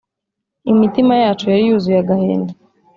imitima yacu yari yuzuye agahinda